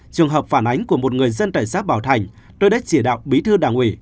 trường hợp phản ánh của một người dân tại xã bảo thành tôi đã chỉ đạo bí thư đảng ủy